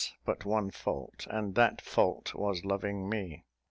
but one fault, and that fault was loving me.